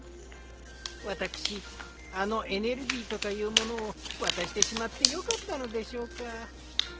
わたくしあのエネルギーとかいうものをわたしてしまってよかったのでしょうか。